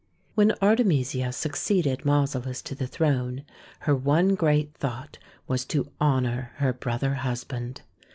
When Artemisia succeeded Mausolus to the throne, her one great thought was to honour her brother husband.